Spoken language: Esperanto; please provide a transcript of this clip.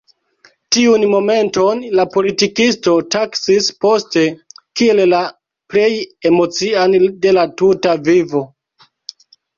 Tiun momenton la politikisto taksis poste kiel la plej emocian de la tuta vivo.